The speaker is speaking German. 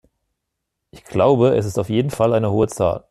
Ich glaube, es ist auf jeden Fall eine hohe Zahl.